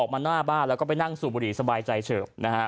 ก็ออกมาหน้าบ้านแล้วก็ไปนั่งสู่บุหรี่สบายใจเฉิม